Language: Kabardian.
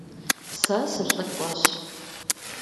Сэ сылӀыкӀуэщ.